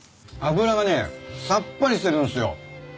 脂がねさっぱりしてるんすよ。